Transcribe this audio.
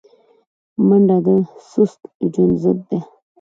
منډه د سست ژوند ضد ده